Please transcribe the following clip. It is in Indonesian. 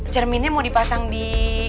cerminnya mau dipasang di